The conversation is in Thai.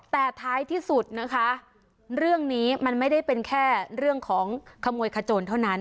แต่ท้ายที่สุดนะคะเรื่องนี้มันไม่ได้เป็นแค่เรื่องของขโมยขโจรเท่านั้น